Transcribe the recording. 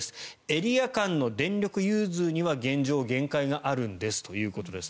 エリア間の電力融通には現状限界があるんですということです。